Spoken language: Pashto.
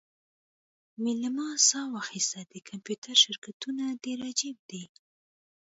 ویلما ساه واخیسته د کمپیوټر شرکتونه ډیر عجیب دي